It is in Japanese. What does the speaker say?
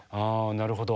なるほど。